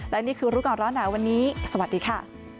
และนี่คือรู้ก่อนร้อนหนาวันนี้สวัสดีค่ะ